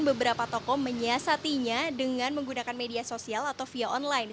beberapa toko menyiasatinya dengan menggunakan media sosial atau via online